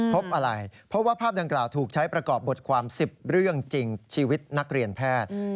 พบอะไรเพราะว่าภาพดังกล่าวถูกใช้ประกอบบทความ๑๐เรื่องจริงชีวิตนักเรียนแพทย์